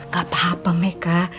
gak apa apa meka